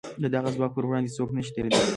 د دغه ځواک پر وړاندې څوک نه شي درېدلای.